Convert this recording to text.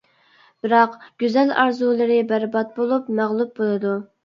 بىراق گۈزەل ئارزۇلىرى بەربات بولۇپ، مەغلۇپ بولىدۇ.